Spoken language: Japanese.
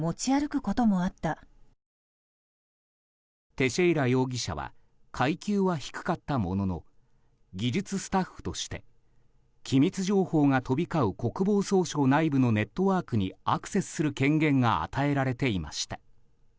テシェイラ容疑者は階級は低かったものの技術スタッフとして機密情報が飛び交う国防総省内部のネットワークにアクセスする権限が与えられていました。